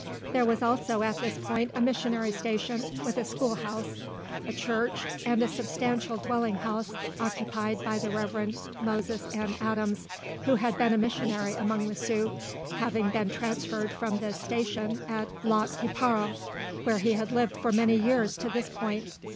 There was also at this point a missionary station, with a schoolhouse, a church, and a substantial dwelling house, occupied by the Rev. Moses N. Adams, who had been a missionary among the Sioux, having been transferred from the station at Lac qui Parle, where he had lived for many years, to this point.